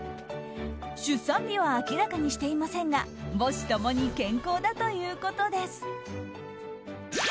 出産日は明らかにしていませんが母子共に健康だということです。